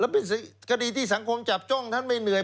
และเป็นสิ่งที่สังคมจับจ้องทศนไม่เหนื่อย